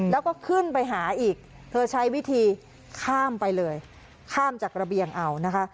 แล้วก็ขึ้นไปหาอีกเธอใช้วิธีข้ามไปเลยข้ามจากระเบียงเอานะคะ